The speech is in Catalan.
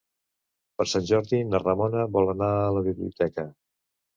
Per Sant Jordi na Ramona vol anar a la biblioteca.